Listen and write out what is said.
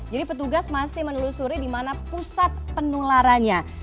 jadi petugas masih menelusuri dimana pusat penularannya